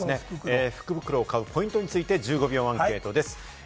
福袋を買うポイントについて１５秒アンケートです。